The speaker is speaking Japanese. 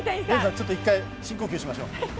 ちょっと１回深呼吸しましょう。